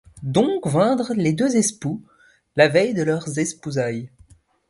Doncques vindrent les deux espoux, la veille de leurs espousailles.